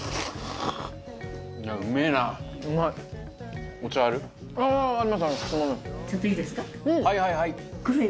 はいはいはい。